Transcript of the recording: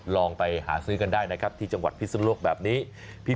ลองไปหาซื้อกันได้นะครับที่จังหวัดพิสุนโลกแบบนี้